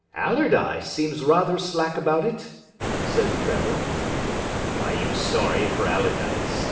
"Allardyce seems rather sick about it," said Trevor. "I am sorry for Allardyce.